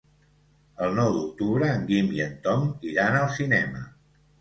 El nou d'octubre en Guim i en Tom iran al cinema.